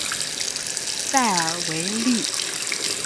塞尔维利。